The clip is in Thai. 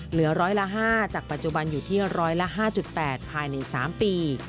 เหลือร้อยละ๕จากปัจจุบันอยู่ที่ร้อยละ๕๘ภายใน๓ปี